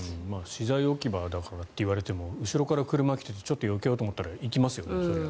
資材置き場だからと言われても後ろから車が来てよけようと思ったら行きますよね、それは。